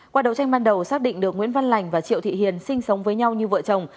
qua đấu tranh ban đầu xác định được nguyễn văn lành và triệu thị hiền sinh sống với nhau như vợ chồng